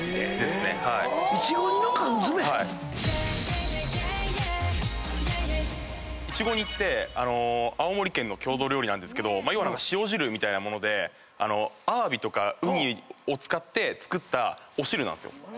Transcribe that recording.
いちご煮って青森県の郷土料理なんですけど要は潮汁みたいな物でアワビとかウニを使って作ったお汁なんですよ。